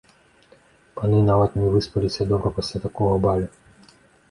Паны нават не выспаліся добра пасля такога балю.